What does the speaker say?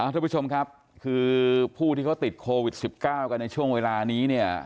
ทุกผู้ชมครับคือผู้ที่เขาติดโควิด๑๙กันในช่วงเวลานี้เนี่ย